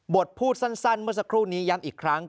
พูดสั้นเมื่อสักครู่นี้ย้ำอีกครั้ง